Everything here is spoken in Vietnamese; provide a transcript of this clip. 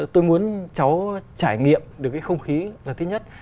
tôi muốn cháu trải nghiệm được cái không khí là thứ nhất